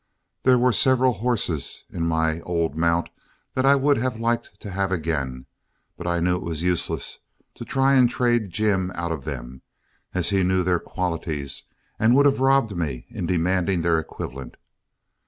There were several horses in my old mount that I would have liked to have again, but I knew it was useless to try and trade Jim out of them, as he knew their qualities and would have robbed me in demanding their equivalent.